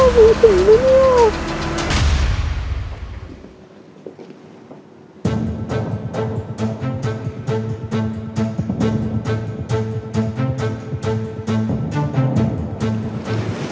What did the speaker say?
อ้อมีสีด้วยเนี่ย